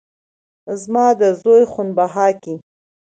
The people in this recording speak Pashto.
زما د زوى خون بها کې